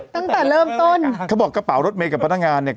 ตั้งแต่เริ่มต้นเขาบอกกระเป๋ารถเมย์กับพนักงานเนี่ย